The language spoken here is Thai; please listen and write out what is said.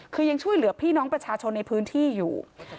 คือยังช่วยเหลือพี่น้องประชาชนในพื้นที่อยู่